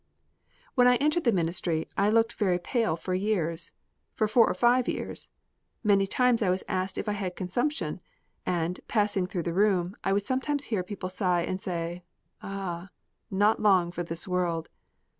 When I entered the ministry I looked very pale for years, for four or five years, many times I was asked if I had consumption; and, passing through the room, I would sometimes hear people sigh and say, "A ah! not long for this world!"